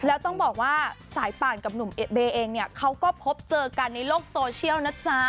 แล้วต้องบอกว่าสายป่านกับหนุ่มเอเองเนี่ยเขาก็พบเจอกันในโลกโซเชียลนะจ๊ะ